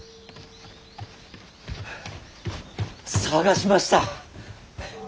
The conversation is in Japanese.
捜しました。